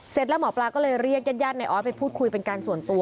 เสร็จแล้วหมอปลาก็เลยเรียกญาติญาติในออสไปพูดคุยเป็นการส่วนตัว